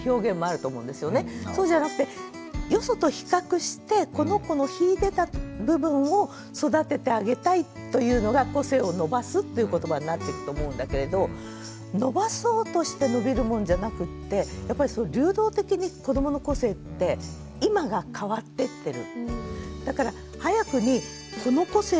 そうじゃなくてよそと比較してこの子の秀でた部分を育ててあげたいというのが個性を伸ばすっていうことばになってくと思うんだけれど伸ばそうとして伸びるものじゃなくってやっぱり流動的に子どもの個性って今が変わってってる。